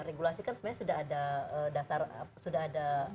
regulasi kan sebenarnya sudah ada aturan tersebut ya